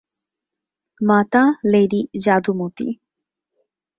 Mata lady যাদুমতী।